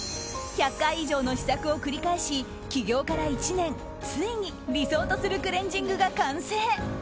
１００回以上の試作を繰り返し起業から１年ついに理想とするクレンジングが完成。